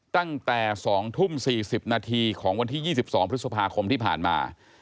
ตั้งแต่๒ทุ่ม๔๐นาทีของวันที่๒๒พฤษภาคมที่ผ่านมา